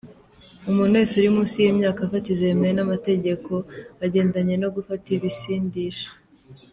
Umuntu wese uri munsi y’imyaka fatizo yemewe n’amategeko agendanye no gufata ibisindisha.